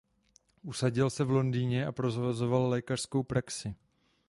Usadil se v Londýně a provozoval lékařskou praxi.